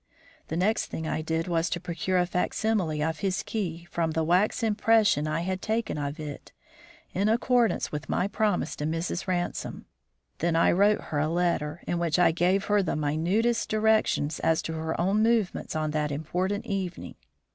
The next thing I did was to procure a facsimile of his key from the wax impression I had taken of it in accordance with my promise to Mrs. Ransome. Then I wrote her a letter, in which I gave her the minutest directions as to her own movements on that important evening.